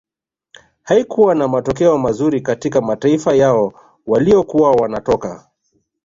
Haikuwa na matokeo mazuri katika mataifa yao waliyokuwa wanatoka